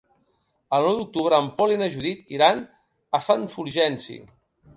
El nou d'octubre en Pol i na Judit iran a Sant Fulgenci.